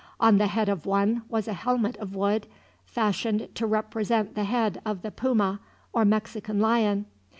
On the head of one was a helmet of wood, fashioned to represent the head of the puma, or Mexican lion.